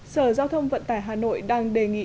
sở giao thông vận tải hà nội đang đề nghị